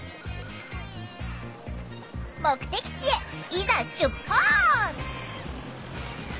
目的地へいざ出発！